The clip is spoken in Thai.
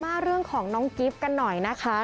มาเรื่องของน้องกิฟต์กันหน่อยนะคะ